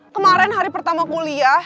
kemaren hari pertama kuliah